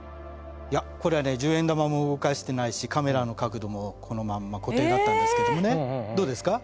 いやこれはね十円玉も動かしてないしカメラの角度もこのまんま固定だったんですけどもねどうですか？